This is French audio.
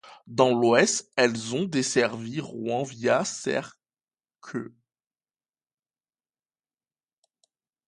Dans l'Ouest, elles ont desservi Rouen via Serqueux.